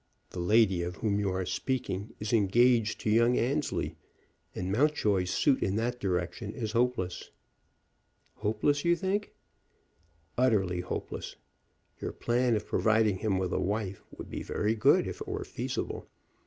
The lady of whom you are speaking is engaged to young Annesley, and Mountjoy's suit in that direction is hopeless." "Hopeless, you think?" "Utterly hopeless. Your plan of providing him with a wife would be very good if it were feasible.